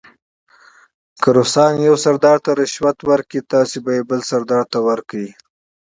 که روسان یو سردار ته رشوت ورکړي تاسې به یې بل سردار ته ورکړئ.